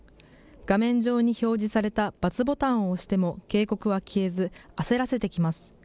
画面上に表示された×ボタンを押しても警告は消えず焦らせてきます。